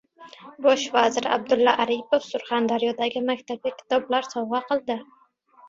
Bosh vazir Abdulla Aripov Surxondaryodagi maktabga kitoblar sovg‘a qildi